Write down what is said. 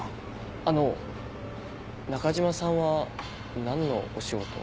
あの中嶋さんは何のお仕事を？